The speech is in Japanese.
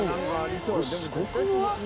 これ、すごくない？